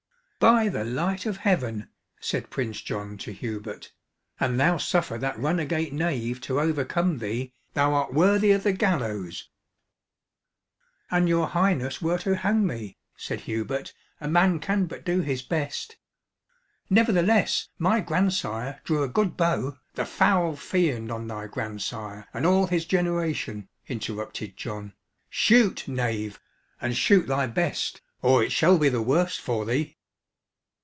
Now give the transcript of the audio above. "By the light of heaven!" said Prince John to Hubert, "an thou suffer that runagate knave to overcome thee, thou art worthy of the gallows!" "An your highness were to hang me," said Hubert, "a man can but do his best. Nevertheless, my grandsire drew a good bow " "The foul fiend on thy grandsire and all his generation!" interrupted John; "shoot, knave, and shoot thy best, or it shall be the worse for thee!"